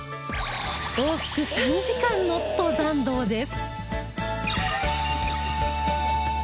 往復３時間の登山道です